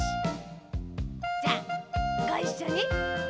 じゃあごいっしょに。